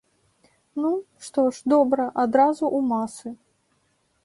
Ну, што ж, добра, адразу ў масы.